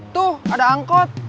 tuh ada angkot